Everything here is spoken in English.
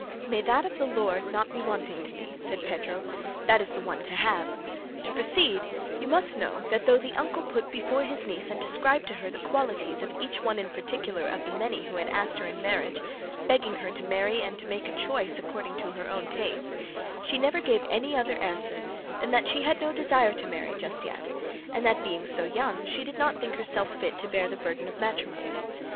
"May that of the Lord not be wanting to me," said Pedro; "that is the one to have. To proceed; you must know that though the uncle put before his niece and described to her the qualities of each one in particular of the many who had asked her in marriage, begging her to marry and make a choice according to her own taste, she never gave any other answer than that she had no desire to marry just yet, and that being so young she did not think herself fit to bear the burden of matrimony.